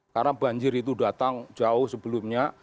karena banjir itu datang jauh sebelumnya